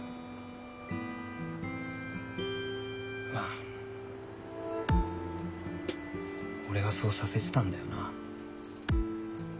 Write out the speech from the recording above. まあ俺がそうさせてたんだよな。